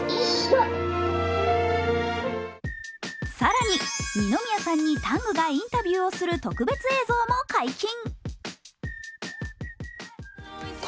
更に二宮さんにタングがインタビューする特別映像も解禁。